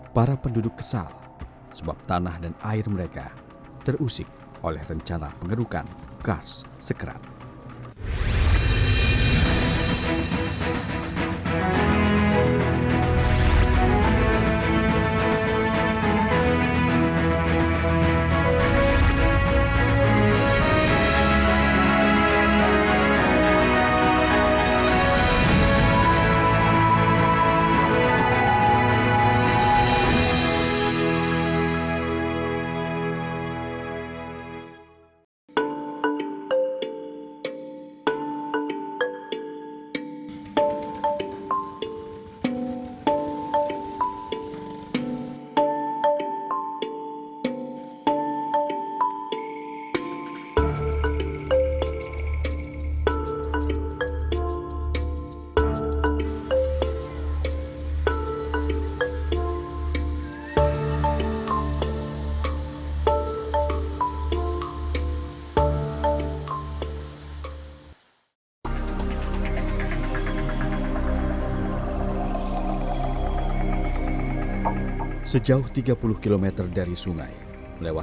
para penduduk kesal sebab tanah dan air mereka terusik oleh rencana pengerukan kars sekerat